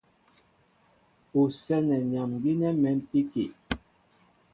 Ú sɛ́nɛ nyam gínɛ́ mɛ̌mpíki.